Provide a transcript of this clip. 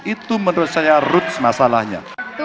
itu menurut saya roots masalahnya